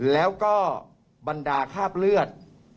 แล้วก็บรรดาคราบเลือด